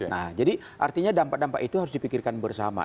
nah jadi artinya dampak dampak itu harus dipikirkan bersama